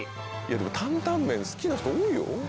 でも担々麺好きな人多いよ。